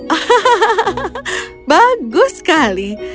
hahaha bagus sekali